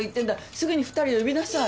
すぐに２人を呼びなさい。